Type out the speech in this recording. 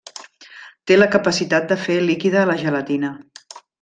Té la capacitat de fer líquida la gelatina.